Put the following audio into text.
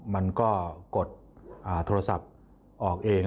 มันก็กดโทรศัพท์ออกเอง